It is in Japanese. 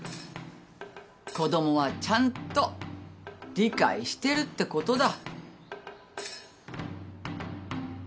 子供はちゃんと理解してるってことだ。